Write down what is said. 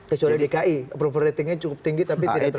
kecuali tki approval ratingnya cukup tinggi tapi tidak terpilih